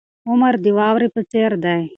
عمر د واورې په څیر دی.